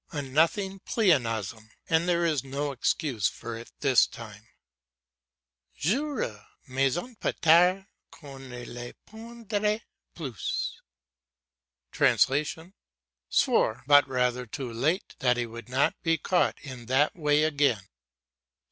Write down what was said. A nothing pleonasm, and there is no excuse for it this time. "Jura, mais un peu tard, qu'on ne l'y prendrait plus" (Swore, but rather too late, that he would not be caught in that way again).